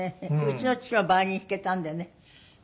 うちの父はバイオリン弾けたんでね